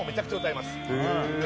歌います